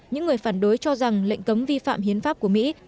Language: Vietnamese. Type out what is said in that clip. những người phản đối cho rằng lệnh cấm vi phạm hiến pháp của mỹ